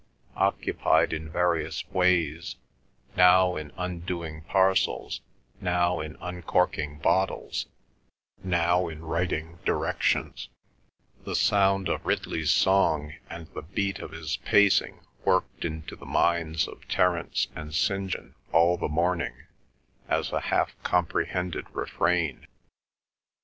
Occupied in various ways—now in undoing parcels, now in uncorking bottles, now in writing directions, the sound of Ridley's song and the beat of his pacing worked into the minds of Terence and St. John all the morning as a half comprehended refrain.